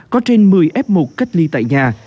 có trên một mươi f một cách ly tại nhà